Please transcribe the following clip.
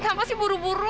kenapa sih buru buru